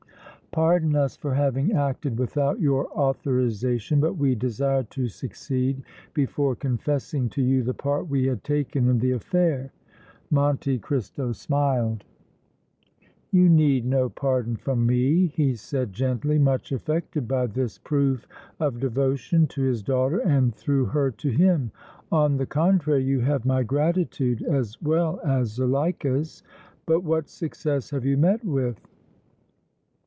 Pardon us for having acted without your authorization, but we desired to succeed before confessing to you the part we had taken in the affair." Monte Cristo smiled. "You need no pardon from me," he said, gently, much affected by this proof of devotion to his daughter and through her to him; "on the contrary you have my gratitude as well as Zuleika's! But what success have you met with?"